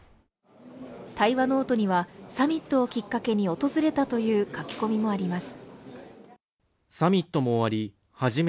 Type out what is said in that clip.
対話ノートには、サミットをきっかけに訪れたという書き込みもあります。